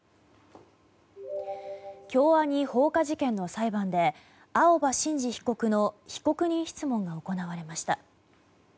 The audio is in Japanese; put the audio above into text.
京アニ放火事件の裁判で青葉真司被告の被告人質問が行われました。